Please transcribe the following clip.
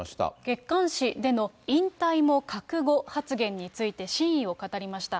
月刊誌での引退も覚悟発言について、真意を語りました。